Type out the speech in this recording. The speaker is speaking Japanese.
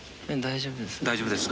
大丈夫です。